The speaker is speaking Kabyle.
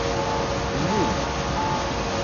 Nnig.